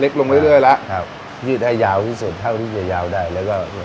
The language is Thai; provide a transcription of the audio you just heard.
ลงไปเรื่อยแล้วครับยืดให้ยาวที่สุดเท่าที่จะยาวได้แล้วก็